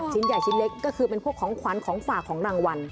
ใหญ่ชิ้นเล็กก็คือเป็นพวกของขวัญของฝากของรางวัล